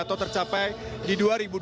atau tercapai di dua ribu dua puluh